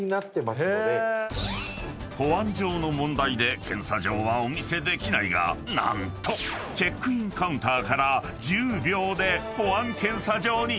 ［保安上の問題で検査場はお見せできないが何とチェックインカウンターから１０秒で保安検査場に］